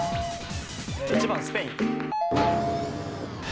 １番スペイン。